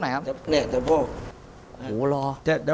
แล้วเข้าก็ถ้นนี่